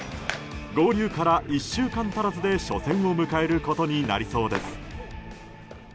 合流から１週間足らずで初戦を迎えることになりそうです。